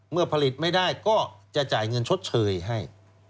ผลิตไม่ได้ก็จะจ่ายเงินชดเชยให้